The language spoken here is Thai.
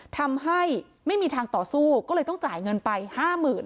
ทำให้ไม่มีทางต่อสู้ก็เลยต้องจ่ายเงินไปห้าหมื่น